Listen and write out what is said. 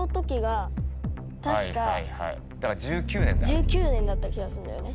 １９年だった気がすんだよね。